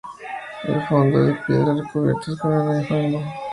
El fondo es de piedra recubiertas con arena y fango.